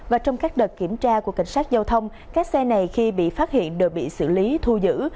và trong các đợt kiểm tra của cảnh sát giao thông các xe này khi bị phát hiện đều bị xử lý thu giữ